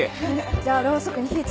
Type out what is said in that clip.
じゃあろうそくに火付けて。